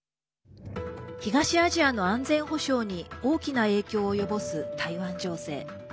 東アジアの安全保障に大きな影響を及ぼす台湾情勢。